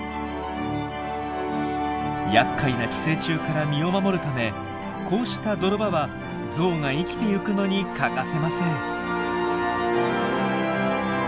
やっかいな寄生虫から身を守るためこうした泥場はゾウが生きてゆくのに欠かせません。